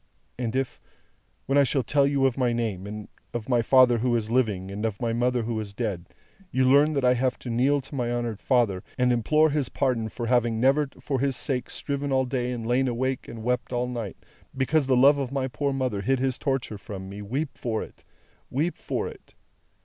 And if, when I shall tell you of my name, and of my father who is living, and of my mother who is dead, you learn that I have to kneel to my honoured father, and implore his pardon for having never for his sake striven all day and lain awake and wept all night, because the love of my poor mother hid his torture from me, weep for it, weep for it!